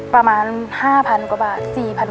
ประมาณ๕๐๐๐กว่าบาท